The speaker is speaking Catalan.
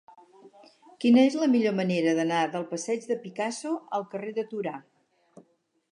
Quina és la millor manera d'anar del passeig de Picasso al carrer de Torà?